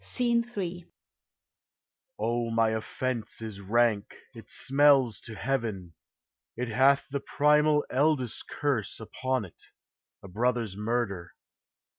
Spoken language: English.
O, my offence is rank, it smells to heaven ; It hath the primal eldest curse upon 't, A brothers murder.